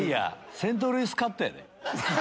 セントルイスカットやで。